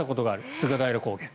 菅平高原。